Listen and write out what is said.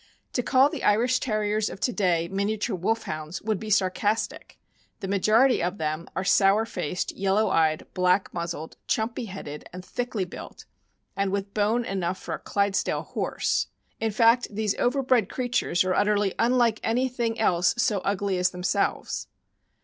To call the Irish Terriers of to day miniature Wolfhounds wou'd be sarcastic; the majority of them are sour faced, yellow eyed, black muzzled, chumpy headed, and thickly built, and with bone enough for a Clydesdale horse — in fact, these overbred creatures are utterly unlike anything else so ugly as themselves.